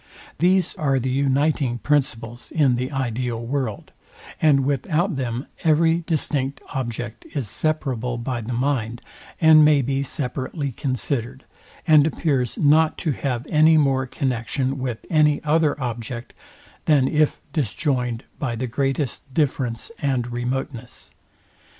There are the uniting principles in the ideal world, and without them every distinct object is separable by the mind, and may be separately considered, and appears not to have any more connexion with any other object, than if disjoined by the greatest difference and remoteness.